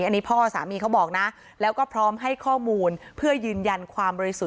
ไม่ได้มีสิ่งทะเลาะอะไรก็ไม่มี